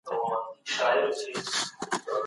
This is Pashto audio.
لیکوالانو خپل پایلیکونه د لارښودانو په مرسته بشپړ کړل.